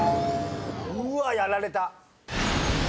うわっやられた！